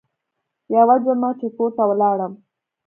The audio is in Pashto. يوه جمعه چې کور ته ولاړم.